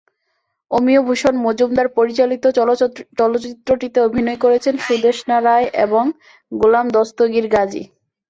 অমিয়ভূষণ মজুমদার পরিচালিত চলচ্চিত্রটিতে অভিনয় করেন সুদেষ্ণা রায় এবং গোলাম দস্তগীর গাজী।